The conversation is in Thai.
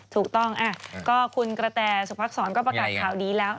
ถูกต้องก็คุณกระแตสุพักษรก็ประกาศข่าวดีแล้ว